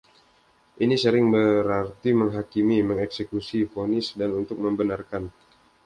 Ini sering berarti "menghakimi", "mengeksekusi vonis" dan "untuk membenarkan".